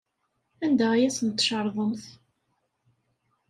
Anda ay asen-tcerḍemt?